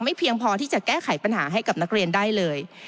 เพียงพอที่จะแก้ไขปัญหาให้กับนักเรียนได้เลย